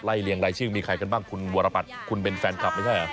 ไล่เลี่ยงไร้ชื่อมีใครกันบ้างคุณวรปัชคุณเป็นแฟนคลับไม่ใช่ไหม